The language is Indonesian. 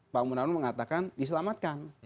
pak munarman mengatakan diselamatkan